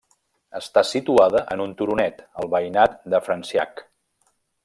Està situada en un turonet, al veïnat de Franciac.